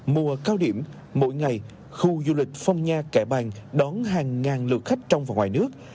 mùa cao điểm mỗi ngày khu du lịch phong nha kẻ bàng đón hàng ngàn lượt khách trong và ngoài nước